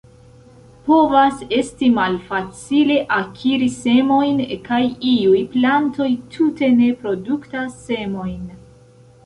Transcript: Povas esti malfacile akiri semojn, kaj iuj plantoj tute ne produktas semojn.